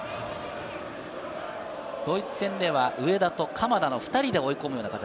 ドイツ戦では上田と鎌田の２人で追い込むような形。